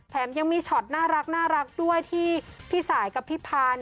แถมยังมีช็อตน่ารักด้วยที่พี่สายกับพี่พา